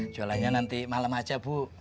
jualannya nanti malam aja bu